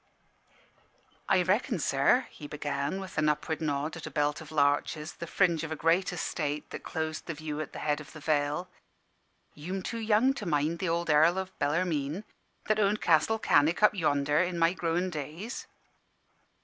"I reckon, sir," he began, with an upward nod at a belt of larches, the fringe of a great estate, that closed the view at the head of the vale, "you'm too young to mind th' ould Earl o' Bellarmine, that owned Castle Cannick, up yonder, in my growin' days.